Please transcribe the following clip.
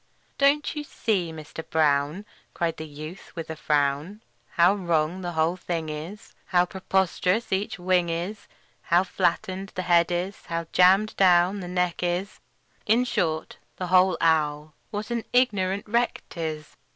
"Don't you see, Mister Brown," Cried the youth, with a frown, "How wrong the whole thing is, How preposterous each wing is, How flattened the head is, how jammed down the neck is In short, the whole owl, what an ignorant wreck 't is!